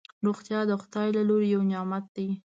روغتیا دخدای ج له لوری یو نعمت دی